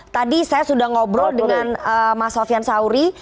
tadi saya sudah ngobrol dengan mas sofian sauri